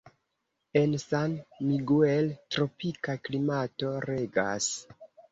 En San Miguel tropika klimato regas.